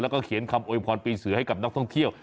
แล้วก็เขียนคำโวยพรปีเสือให้กับนักท่องเที่ยว